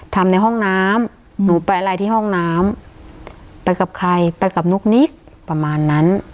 ทำในห้องน้ำหนูไปอะไรที่ห้องน้ำไปกับใครไปกับนุ๊กนิกประมาณนั้น